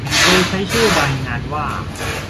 โดยใช้ชื่อรายงานว่า